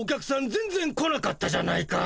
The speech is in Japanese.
全ぜん来なかったじゃないか。